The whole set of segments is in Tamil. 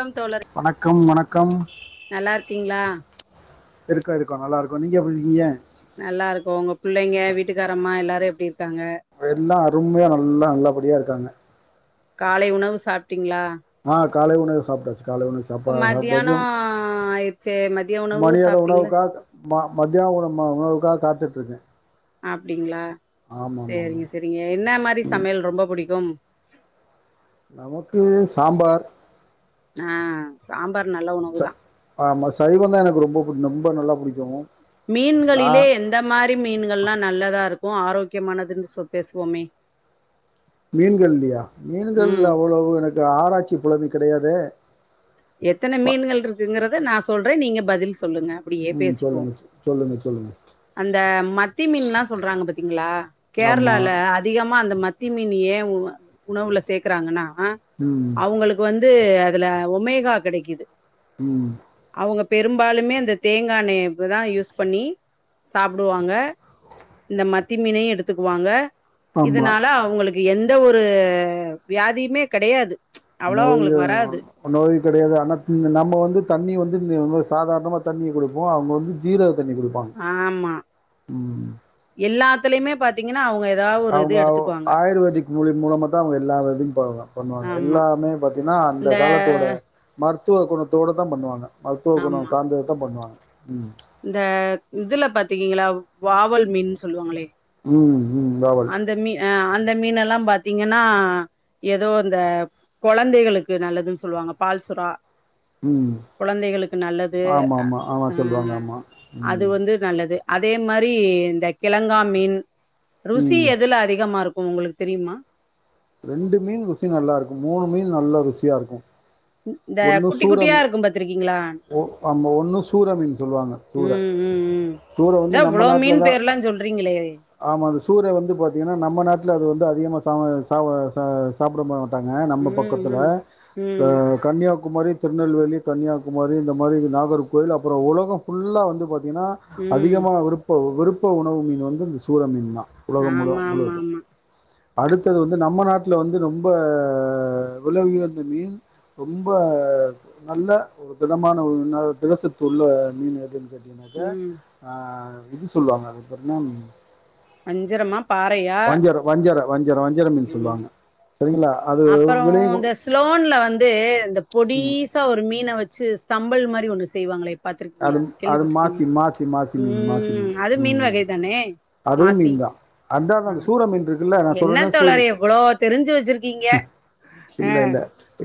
கம் தோழர் வணக்கம் வணக்கம் நல்லா இருக்கீங்களா இருக்கொ இருக்கொ நல்லாயிருக்கோ நீங்க எப்டி இருக்கிங்க நல்லா இருக்கோ உங்க பிள்ளைங்க வீட்டுக்காரம்மா எல்லாரு எப்டி இருக்காங்க எல்லா அருமையா நல்லா நல்லபடியா இருக்காங்க காலை உணவு சாப்ட்டீங்ளா ஆ காலை உணவு சாப்ட்டாச்சு காலை உணவு சாப்பா சாப்ட்டாச்சு மத்தியானோ ஆயிடுச்சு மதிய உணவு மனியாத சாப்ட்டீங்களா உணவுக்காகக் மா மதியான உணவு ம உணவுக்காக காத்துட்ருக்கே அப்டிங்ளா ஆமாம் சேரிங்க ஆமாம் சரிங்க என்ன மாரி சமையல் ரொம்ப புடிக்கும் நமக்கு சாம்பார் ஆ சாம்பார் நல்ல உணவுதா ஆமா சைவம் தா எனக்கு ரொம்ப புடி ரொம்ப நல்லா புடிக்கு மீன்களிலே எந்த மாரி மீன்கள்ல்லா நல்லதா இருக்கு ஆரோக்கியமானதுன்னு சொ பேசுவோமே மீன்கள்லியா மீன்கள் ம் அவ்ளோவு எனக்கு ஆராய்ச்சி புழமை கெடையாதே எத்தன மீன்கள் ருக்குங்குறத நா சொல்றே நீங்க பதில் சொல்லுங்க அப்டியே ம் பேசிக்குவோ சொல்லுங்க சொல்லுங்க சொல்லுங்க தோழி அந்த மத்தி மீன்ல்லாம் சொல்றாங்க பாத்தீங்களா கேரளால ஆமாம் அது அதிகமா அந்த மத்தி மீன் ஏன் உண் உணவுல சேக்கிறாங்கன்னா ம் உங்களுக்கு வந்து அதுல ஒமேகா கெடைக்குது ம் அவங்க பெரும்பாலும் அந்த தேங்காயெண்ணய தான் யூஸ் பண்ணி சாப்டுவாங்க இந்த மத்தி மீனையும் எடுத்துக்குவாங்க ஆமாம் இதனால அவங்களுக்கு எந்த ஒரு வியாதியுமே கெடையாது [unintelligible] அவ்ளோ அவங்களுக்கு வராது நோய் கெடையாது ஆனால் நம்ம வந்து தண்ணிய வந்து சாதாரணமா தண்ணிய குடிப்போம் அவங்க வந்து ஜீரக தண்ணி குடிப் ஆமா எல்லாத்துலயுமே பாத்தீங்கன்னா அவங்க ஏதாவது ஒரு இது அவங்க எடுத்துக்குவாங்க ஆயுர்வேதிக் மொழி மூலமா தான் அவங்க எல்லாயும் பண்ணுவாங்க ஆமா எல்லாமே ஏன்னா அந்த இந்த காலத்தோட மருத்துவ குணத்தோடு தான் பண்ணுவாங்க மருத்துவ ஆமா குணம் சார்ந்தத தான் பண்ணுவாங்க ம் இந்த இதுல பாத்தீக்ங்களா வாவல் மீன் சொல்லுவாங்களே ம் ம் ராவல் அந்த மீன் அந்த மீன் எல்லாம் பாத்தீங்கன்னா ஏதோ இந்த கொழந்தைகளுக்கு நல்லதுன்னு சொல்லுவாங்க பால்சுறா ம் கொழந்தைகளுக்கு நல்லது ஆமா ஆமா ஆமா அ சொல்லுவாங்க ஆமா அது ம் வந்து நல்லது அதே மாதிரி இந்த கிழங்கா மீன் ருசி ம் எதுல அதிகமா இருக்கும் உங்களுக்கு தெரியுமா ரெண்டு மீன் ருசி நல்லாருக்கும் மூணு மீன் நல்ல ருசியா இருக்கும் இந்த குட்டி குட்டியா இருக்கும் பாத்திருக்கீங்களா ஓ ஆம ஒன்னு சூர மீன் சொல்லுவாங்க சூர இத இவ்ளோ மீன் பேர்லா சொல்றீங்களே ஆமா அந்த சூறை வந்து பாத்திங்கனா நம்ம நாட்டுல அது வந்து அதிகமா சா ச சா சாப்ட மா [unintelligible] நம்ம ம் பக்கத்துல ம் ஆ ம் கன்னியாகுமரி திருநெல்வேலி கன்னியாகுமரி இந்த மாதிரி நாகர்கோவில் அப்றோ உலகம் ஃபுல்லா வந்து பாத்திங்கன்னா ம் அதிகமா விருப்ப விருப்ப உணவு மீன் வந்து இந்த சூர மீன் தான் உலகம் முழு ஆமா ஆமா முழுதும் ஆமா அடுத்தது வந்து நம்ம நாட்ல வந்து ரொம்ப வெலவுயர்ந்த மீன் ரொம்ப நல்ல திடமான ஒரு ம திடசத்து உள்ள மீன் எதுன்னு நம்ப ம் ஆ இது சொல்லுவாங்க அதுபாத்தினா வஞ்சரமா பாறையா வஞ்சரோ வஞ்சரோ வஞ்சரோ மீன் ம் சொல்லுவாங்க செரிங்களா அது அப்புறம் வில உயர் இந்த ஸ்லோன்ல வந்து இந்த பொடிசா ஒரு மீனை வச்சு ஸ்தம்பல் மாரி ஒண்ணு செய்வாங்களே அது பாத்துருக்கீங்களா அது மாசி கேள்விப்பட்டிருக்கீங்களா மாசி மாசி மீன் மாசி ம் அதும் மீன் ம் வகை தானே அதுவும் மாசி மீன் தான் ஆ அந்த சூரம் மீன் இருக்குல்ல நான் என்ன சொல்லல சூல் தோழரே எவ்ளோ தெரிஞ்சு வச்சிருக்கீங்க ம் ஆ இல்ல இல்ல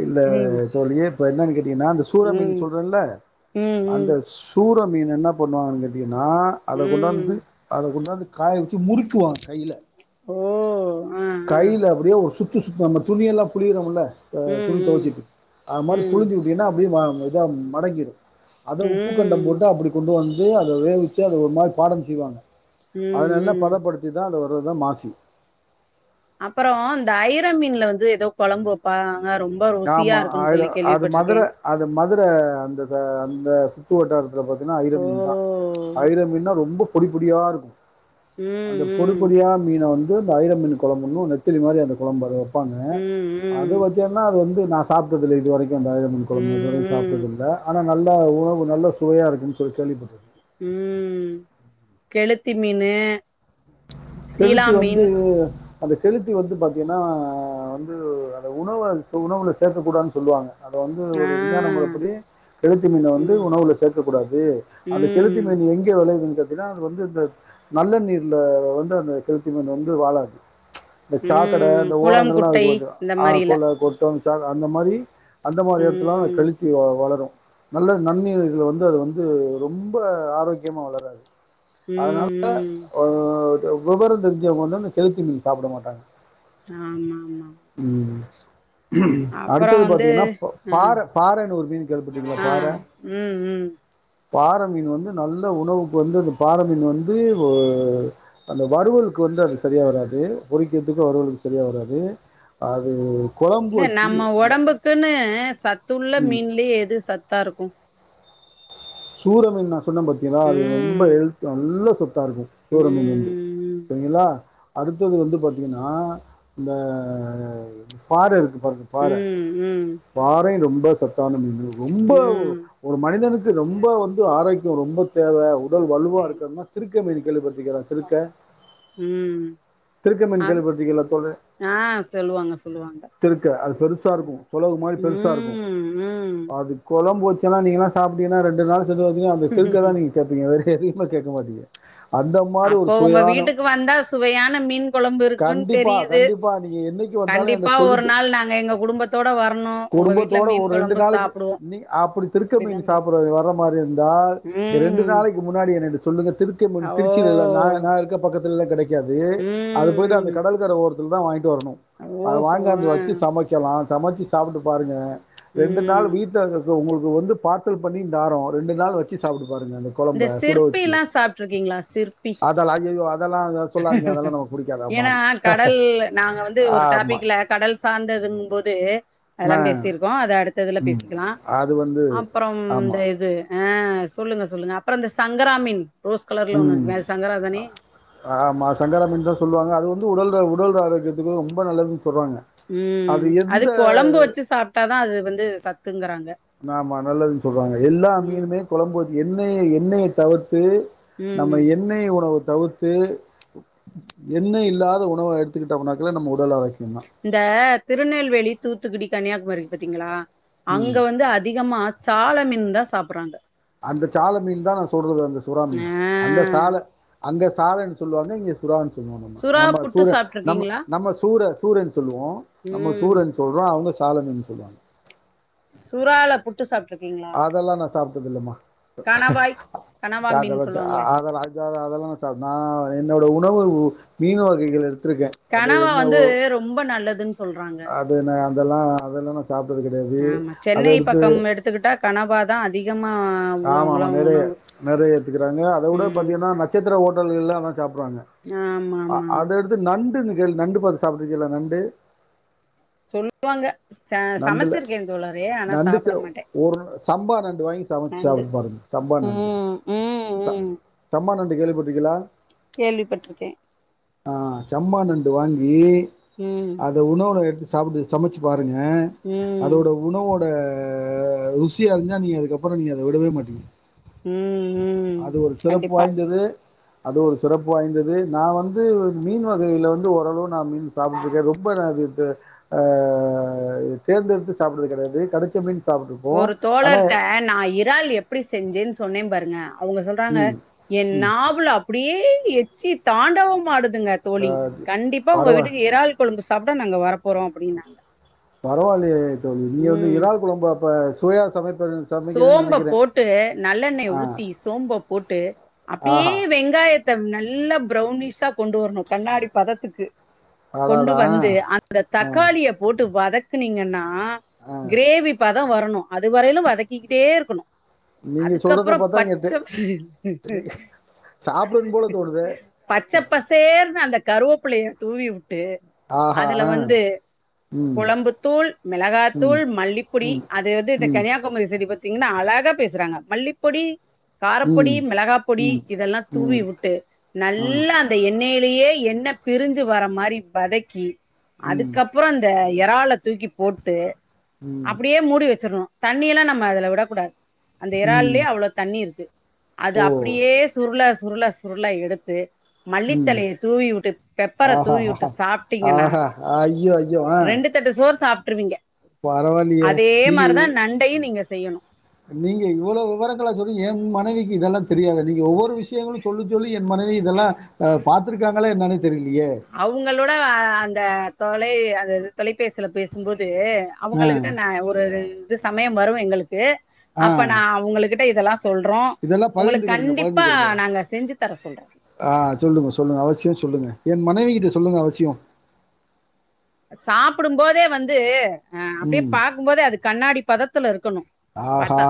இல்ல ம் இதோட இயற்பெயர் என்னன்னு கேட்டீங்கன்னா இந்த சூர மீன் ம் சொல்றேன்ல ம் அந்த ம் சூர மீன் என்ன பண்ணுவாங்க கேட்டிங்ன்னா அதை ம் கொண்டாந்து அத கொண்டாந்து காய வச்சு முறுக்குவாங்க கைல ஓஓஓ கைல அப்டியே ஒரு சுத்து சுத்துவாங்க நம்ம துணியலாம் புழியுரோம்ல்லா ஆ ம் துணி ம் துவச்சிக் அது மாதிரி ம் புழுந்சி வி ஏன்னா அப்டியே ம இதா மடங்கீரு அத உப்புக்கண்டோ ம் போட்டு அப்படி கொண்டு வந்து அத வேவிச்சு அத ஒரு மாரி பாடம் செய்வாங்க அத ம் நல்லா ம் பதப்படு திதா அத வர்றதா மாசி அப்பறோ இந்த ஐர மீன்ல வந்து எதோ கொழம்பு வெப்பாங்க ரொம்ப ருசியா ஆமாம் இருக்குன் அது சொல்லி அது கேள்விப்பட்ருக்கே மதுரை அது மதுர அந்த சா அந்த ச சூ வட்டாரத்துல பாத்தின்னா ஐர ஓ மீன் தா ஐர மீன்னா ரொம்ப பொடி பொடியா இருக்கு ம் அந்த பொடி ம் பொடியா மீன வந்து அந்த ஐர மீன்னு கொழம்புன்னு நெத்திலி மாரி அந்த கொழம்பு வரு ப்பாங்க ம் அது ம் வச்சேன்னா அது வந்து நா சாப்ட்டதுல்ல இது வரைக்கு [unintelligible] மீன்கொழம்பு ம் இதுரையு ம் சாப்ட்டதில்ல அனா நல்லா உணவு நல்ல சுவையா இருக்குன் சொல்லி கேள்விப்பட்ருக்க ம் கெளுத்தி மீன்னு கெழுத்தி வந்து அந்த கெழுத்தி வந்து பாத்தின்னா வந்து அத உணவ அது உணவுல் சேக்கக்கூடாதுன் சொல்லுவாங்க அத வந்து ஆ ஒரு விஞ்ஞான முறைப்படி கெழுத்தி மீன வந்து ம் உணவுல சேக்கக்கூடாது அந்த கெழுத்தி ம் மீன் எங்க வெளையிதுன் [unintelligible] தின்னா அது வந்து இந்த நல்ல நீர்ல வந்து அந்த கெலத்தி மீன் வந்து வாழாது இந்த சாக்கட ம் இந்த குளம் ஓரங்கள்லா குட்டை இருக்கு பாத்தியா இந்த ஆ மாரில கோல கொட் [unintelligible] அந்த மாரி அந்த மாரி எடத்துலா ம் கழித் து வளரு நல்ல நன்னீர் இதுல வந்து அது வந்து ரொம்ப ஆரோக்கியமா வளராது ம் அதனால ம் அ விவரோ தெரிஞ்சவங்க வந்து அந்த கெளுத்தி மீன் சாப்பட மாட்டாங்க ஆமாம்மா ம் அடுத்தது வந்து பாத்திங்கன்னா ப் ஆ பார பாரன்னு ஒரு மீன் கேள்வி பட்ருக்கீங்களா ஆ பார ம் ம் பாரமீன் வந்து நல்ல உணவுக்கு வந்து அந்த பாரமீன் வந்து வெ அந்த வறுவல்க்கு வந்து அது செரியா வராது பொறிக்கர்த்துக்கு வறுவளுக்கு செரியா வராது அது கொழம்பு வச்சு அல்ல க்குன்னு சத்துள்ள மீன்லயே எது சத்தா இருக்கு சூர மீன் நா சொன்ன பாத்திகளா அது ரொம்ப ம் எழுத்து நல்லா சத்தா இருக்கு சூர மீன் வந்து ம் சரிங்களா அடுத்தது வந்து பாத்திங்கன்னா இந்த பார இருக்கு பாருங்க ம் ம் பாரை ரொம்ப சத்தான மீனு ரொம்ப ம் ஒரு மனிதனுக் கு ரொம்ப கரெக்ட் வந்து ஆரோக்கியோ ரொம்ப தேவ உடல் வலுவா டைம் இருக்கறதுனா திருக்கமின் கேள்விப்பட்ருக்கியளா திருக்க ம் திருக்கமீன் ஆ கேள்விப்பட்ருக்கியளா தோழி ஆ சொல்லுவாங்க சொல்லுவாங்க திருக்க அது பெருசா இருக்கு சுலக மாரி பெருசா இருக்கு ம் ம் அது கொழம்பு வச்சன்னா நீங்கள்லா சாப்ட்டீங்கன்னா ரெண்டு நாள் [unintelligible] அந்த திருக்க தா நீங்க கேப்பீங்க வேற எதயூமே கேக்க மாட்டீங்க அந்த மாதிரி ஒரு அப்ப உங்க சுவையான வீட்டுக்கு வந்தா சுவையான மீன் கொழம்பு இருக்குன்னு கண்டிப்பா தெரியிது கண்டிப்பா நீங்க என்னைக்கு வந்தாலும் என்ன கண்டிப்பா ஒரு சொல்லிட்டு நாள் நாங்க எங்க குடும்பத்தோட வரணு உங்க வீட்டுல குடும்பத்தோட மீன் ஒரு ரெண்டு கொழம்பு நாளைக்கு சாப் நீ அப்படி திருக்க மீன் சாப்பட்றதுக் வர மாரி இருந்தா ரெண்டு ம் நாளைக்கு முன்னாடி என்னுட்ட சொல்லுங்க திருத் கமீன் ஓ திருச்சில இல்ல நாங்க நா இருக்க பக்கத்தில்லா கெடைக்காது அது ம் போயிட்டு அந்த ம் கடல்கர ஓர இருந்தா வாய்ங்ட்டு வரணு அது ஓஹோ வாய்ங்காந்து ஆ வச்சு சமைக் க்லாம் சமச்சு சாப்பிட்டு பாருங்க ரெண்டு நாள் ம் வீட்ல இரு உங்களுக்கு வந்து பார் சல் பண்ணி தாரோ ரெண்டு நாள் வச்சு சாப்ட்டு பாருங்க அந்த இந்த கொழம்ப சுட வச்சு சிற்பில்லா சாப்ட்ருக்கீங்களா சிற்பி அதெல்லா அய்யய்யோ அதெல்லா சொல்லாதீங்க அதெல்லா நமக்கு புடிக்காது ஏன்னா அம்மாதி கடல் நாங்க வந்து ஒரு ஆமா டாபிக்ல கடல் சார்ந்ததுங் போது ஆ எல்லாம் பேசியிருக்கோ அத அடுத் ததுல ம் பேசிக்லாம் அது வந்து அப்புறம் ஆமா இந்த இது ஆ சொல்லுங்க சொல்லுங்க அப்புறம் இந்த சங்கரா மீன் ரோஸ் கலர்ல ஒண்ணு ம் இருக்குமே அது சங்கரா தானே ஆமா சங்கரா மீன் தா சொல்லுவாங்க அது வந்து உடல் உடல் ஆரோக்கியதுக்கு ரொம்ப நல்லதுன் சொல்வாங்க ம் அது கொழம்பு வச்சு சாப்ட்டாதா அது வந்து சத்துங்கறாங்க ஆமா நல்லதுன் சொல்றாங்க எல்லா ம் மீனுமே கொழம்புது எண்ணெய எண்ணெய தவிர்த்து நம்ம ம் எண்ணெய் உணவு தவிர்த்து எண்ணெய் இல்லாத உணவ எடுத்துக்கிட்டோம்னாக்கா நம்ம உடல் ஆரோக்கியம் தா இந்த திருநெல்வேலி தூத்துக்குடி கன்னியாகுமரி இருக்கு பாத்தீங்ளா அங்க ம் வந்து அதிகமா சால மீன் தா சாப்பிறாங்க அந்த சால மீன் தா நா சொல்றது அந்த சுறா மீன் ஆ அங்க சால அங்க சாலன் சொல்வாங்க இங்க சுறான் சொல்லுவோம் நம்ம சுறா நம்ம புட்டு சூர நம்ம சாப்ட்ருக்கீங்களா நம்ம சூர சூரன் சொல்லுவோம் நம்ம ம் சூரன் சொல்றோ அவங்க சால மீன் சொல்வாங்க சுறால புட் ட்டு சாப்ட்ருக்கீங்ளா அதெல்லா நா சாப்ட்டது இல்லமா கணவாய் கனவா வேக மீன் வச்சு சொல்லுவாங்களே அதெல்லா வேவ அதெல்லா சா நா என்னோட உணவு மீன் வகைகள் எடுத்துருக்கே கணவா வந்து ரொம்ப நல்லதுன் சொல்றாங்க து நா அதெல்லா அதெல்லா நா சாப்ட்டது கெடயாது அதயெடுத்து எத்துக்கிட்டா கணவா தா அதிகமா ஆமா ஆமா அவங்களா நெறைய உணவு நெறைய ஏத்திக்கிறாங்க அத விட ம் பாத்தீங்கன்னா நட்சத்திர ஹோட்டல்கள்ல அதா சாப்பறாங்க ஆமா அ ஆமா ஆமா அத எடுத் து நண்டு நிகழ் நண்டு பாத் சாப்ட்டுக்கிலா நண்டு சொல் வாங்க ச நண்டுல சமச்சிருக்கே தோழரே ஆனா நண்டு ச சாப்பிட மாட்டே ஒரு சம்பா நண்டு வாங்கி சமைச்சு நண்டு சாப்பிட்டு பாருங்க ம் ம் ம் சம்மா நண்டு கேள்விப்பட்ருக்கிலா கேள்விப்பட்ருக்கே ஆ செம்மா நண்டு வாங்கி ம் த உணவு எடுத்து சாப்பிட்டு சமச்சு பாருங்க ம் அதோட உணவோட ஆ ருசி அறிஞ்சா நீங்க அதுக்கப்புறம் நீங்க அத விடவே மாட்டீங்க ம் ம் அது ஒரு சிறப்பு கண்டிப்பா வாய்ந்தது அது ஒரு சிறப்பு வாய்ந்தது நா வந்து மீன் வகையில வந்து ஓரளவு நா மீன் சாப்ட்டுருக்கே ரொம் ரொம்ப நா அது ஆ தேர்ந்தெடுத்து சாப்பிறது கெடயாது கெடச்ச மீன் சாப்பிட் ஒரு தோழர்ட்ட நா எப் வ்வால் எப்டி செஞ்சேன் சொன்னே பாருங்க அவங்க சொல்றாங்க ம், என் ம். நாவுல அப் அப்படியே எச்சி தாண்டவ மாடுதுங்க ஆ தோழி கண்டிப்பா உங்க பரவா வீட்டுக்கு எறாள் கொழும்பு சாப்ட்டா நாங்க வர போறோ அப்படின்னாங்க பரவால்லியே தோழி நீங்க வந்து இறால் கொழம்பு அப்ப சுவையா சமைப்பீங்க சோம்ப போட்டு நல்லெண்ணெய ஆ, ஊத்தி சோம்ப போட்டு அப்டியே ஆஹா! வெங்காய த்தா நல்லா பரௌனிஷா கொண்டு வர்ணு கண்ணாடி பதத்துக்கு கொண்டு அடாடா! வந்து அந்த ஆ, தக்காளிய போட்டு வதக்குனீங்கன்னா ஆ. கிரேவி பதோ வரணு அதுவரையிலு வதக்கிக்கிட்டே இருக்கணு நீங்க சொல்றத அதுக்கப்புறோ பார்த்தா இங்க பச்ச டே சாப்பிடன்னு போல தோணுதே பச்ச பசேர்னு அந்த கருவோப்பிள்ளய தூவி வுட்டு ஆஹா அதுல ஆ வந்து ம் குழம்புத்தூள் ம் மிளகாத்தூள் மல்லிப்பொடி ம் அது வந்து இந்த ம் கன்னியா குமாரி சைடு பத்தீங்கின்னா அழகா பேசுறாங்க மல்லிப்பொடி காரப்பொடி ம் மிளகா பொடி ம் இதெல்லா தூவி ம் வுட்டு ஆ நல்லா எண்ணெயிலியே என்ன பிரிஞ்சு வர மாரி வதக்கி ம் அதுக்கப் அப்புறோ அந்த எறால தூக்கி போட்டு ம் அப்படியே மூடி வெச்சிர்ணு தண்ணியெல்லா நம் ம அதுல விடக்கூடாது அந்த ம் இறால்லியே அவ்ளோ தண்ணி இருக்கு அது ஓ அப்படியே சுருள சுருள சுருள எடுத்து ம் மல்லித்தழய தூவி வுட்டு பெப்பர ஆஹா தூவி வுட்டு ஆஹா சாப்ட்டீங்கன்னா ஆஹா ஐயோ ஐயோ ஆ ரெண்டு தட்டு சோறு சாப்ட்ருவீங்க பரவாயில்லையே அதே நீங்க மாரிதா இவ்- நண்டையு நீங்க செய்யணும் நீங்க இவ்வளோ விவரங்களா சொல் எ மனைவிக்கி இதெல்லா தெரியாதே நீங்க ஒவ்வொரு விஷியங்களு சொல்லி சொல்லி என் மனைவி இதெல்லா அ பாத்துருக்காங்ளா என்னானே தெரிலியே அவுங்களோட அந்த தொலை அந்த தொலைபேசில பேசும்போது ஆ அவுங்களுகிட்ட நா ஒரு இது சமயோ வரு எங்களுக்கு ஆ அப்ப நா அவுங்களகிட்ட இதெல்லா சொல்றோ இதெல்லா உங்களுக் பகிர்ந்துக்கிடுங்க கண்டிப்பா பகிர்ந்துக்கிடுங்க நாங்க செஞ்சு தர சொல்றோ ஆ சொல்லுங்கோ சொல்லுங்க அவசிய சொல்லுங்க என் மனைவி கிட்ட சொல்லுங்க அவசியோ சாப்புடும்போதே வந்து அ அப்டியே ம். பாக்கும்போதே அது கண்ணாடி பதத்துல இருக்கனு ஆஹா! பாத்தா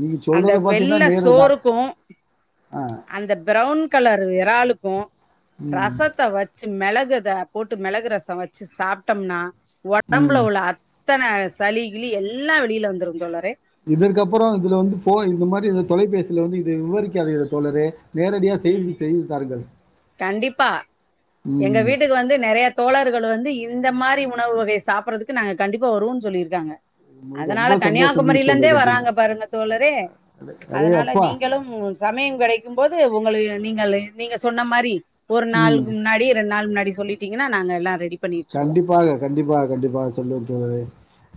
நீங்க அந்த சொல்றத பார்த்தீங்கன்னா, வெள்ள நேரு தான். சோறுக்கு ஆ. அந்த ப்ரௌன் கலர் எறாளுக்கு ம். ரசத்த வெச்சு மெளக த போட்டு மெளகு ரசோ வெச் சு சாப்ட்டம்னா ஒடம்புல ம். உள்ள அத் தன சளிகிலி எல்லா வெளில வந்துருந்தோழரே இதற்கப்பறோ இதுல வந்து ஃபோ இந்த மாரி இந்த தொலைபேசில வந்து இத விவரிக்காதீர்கள் தோழரே நேரடியா ம் செய்து செய்து தாருங்கள். கண்டிப்பா எங்க ம். வீட்டுக்கு வந்து நெறையா தோழர்கள் வந்து இந்த மாரி உணவு வகைய சாப்பறதுக்கு நாங்க கண்டிப்பா வருவோன் சொல்லியிருக்காங்க உங்களுக்கு அதனால ரொம்ப சந்தோஷம் நீங்க கன்னியாகுமரிலெந்தே சொல்றது அப்டின்னா. வராங்க பாருங்க தோழரே அடே அடே அதனால அப்பா! நீங்களும் ம் சமயங் கெடைக்கும்போது உங்களு நீங்களு நீங்க சொன்ன மாரி ஒரு ம். நாளுக்குக்கு முன்னாடி ரெண்டு நாளு முன்னாடி சொல்லிட்டீங்கனா நாங்க எல்லா ரெடி பண்ணி வச்சிருவோ கண்டிப்பாக கண்டிப்பாக கண்டிப்பாக சொல்லவே தோழரே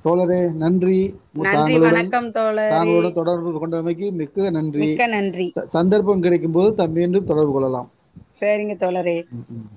தோழரே நன்றி நன்றி வணக்கம் தோ தாங்களோட தொடர்பு கொண்டமைக்கு மிக்க நன்றி மிக்க நன்றி ச சந்தர்ப்போ கெடைக்கும்போது த மீண்டும் தொடர்பு கொள்ளலா செரிங்க தோழரே ம் ம்